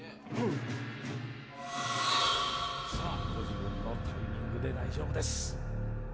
ご自分のタイミングで大丈夫です。